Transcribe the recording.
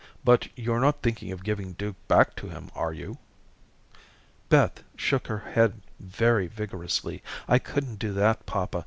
But you're not thinking of giving Duke back to him, are you?" Beth shook her head very vigorously. "I couldn't do that, papa.